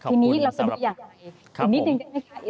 ทีนี้เราจะดูอย่างไรนะคะอีกนิดหนึ่งได้ไหมคะเราจะดูอย่างไรค่ะ